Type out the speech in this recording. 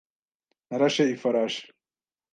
Narashe ifarashi.